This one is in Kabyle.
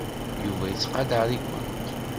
Yuba yettqadar-ikent.